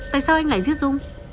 tại sao anh lại giết dung